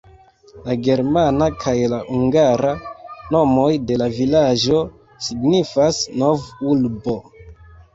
La germana kaj la hungara nomoj de la vilaĝo signifas "nov-urbo".